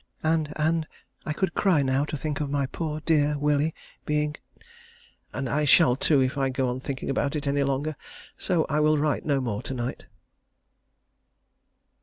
And and I could cry now to think of my poor dear Willie being and I shall, too, if I go on thinking about it any longer, so I will write no more to night.